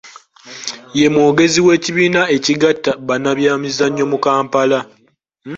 Ye mwogezi w’ekibiina ekigatta abannabyamizannyo mu Kampala.